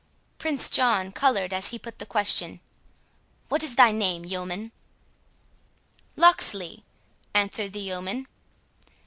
Prince John coloured as he put the question, "What is thy name, yeoman?" "Locksley," answered the yeoman.